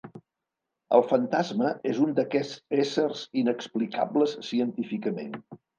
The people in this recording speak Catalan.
El fantasma és un d’aquests éssers inexplicables científicament.